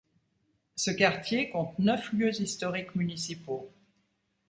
Ce quartier compte neuf lieux historiques municipaux.